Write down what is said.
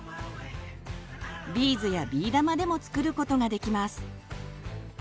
ビーズやビー玉でも作ることができます。